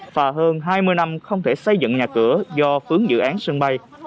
và hơn hai mươi năm không thể xây dựng nhà cửa do vướng dự án sân bay